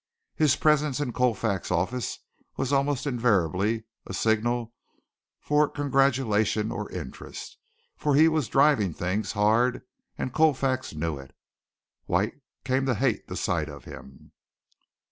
His presence in Colfax's office was almost invariably a signal for congratulation or interest, for he was driving things hard and Colfax knew it. White came to hate the sight of him.